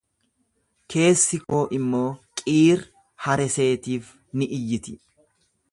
Keessi koo immoo Qiir-haresetiif ni iyyiti.